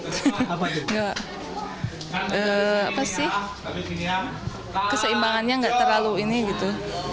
gak apa sih keseimbangannya gak terlalu ini gitu